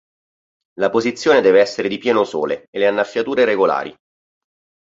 La posizione deve essere di pieno sole e le annaffiature regolari.